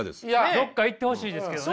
どっか行ってほしいですけどね。